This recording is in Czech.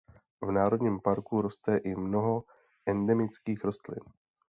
V národním parku roste i mnoho endemických rostlin.